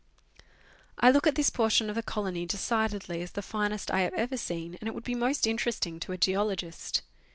I look at this portion of the colony decidedly as the finest I have ever seen, and it would be most interesting to a geologist.